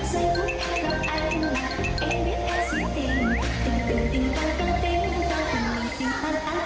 ให้พี่ค่ะถูกลอง